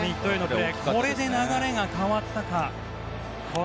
これで流れが変わったか。